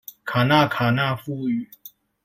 卡那卡那富語